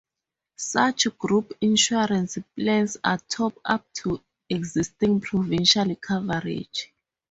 Such group insurance plans are a top-up to existing provincial coverage.